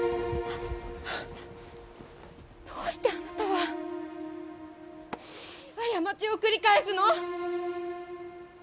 どうしてあなたは過ちを繰り返すの？